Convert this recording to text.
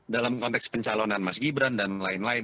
dalam konteks pencalonan mas gibran dan lain lain